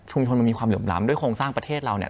ชนมันมีความเหลื่อมล้ำด้วยโครงสร้างประเทศเราเนี่ย